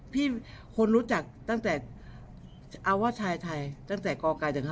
พี่คนรู้จักตั้งแต่เอาว่าชายไทยตั้งแต่กไก่ถึง๕